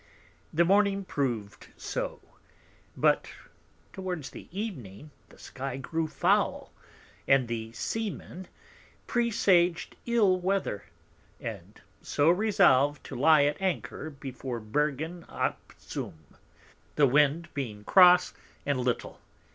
The Morning prov'd so; but towards Evening the Sky grew foul, and the Sea men presag'd ill Weather, and so resolved to lie at Anchor before Bergen ap Zoom, the Wind being cross and little.